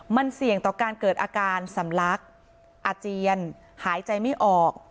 มันเสี่ยงต่อการเกิดอาการสำลักอาเจียนหายใจไม่ออก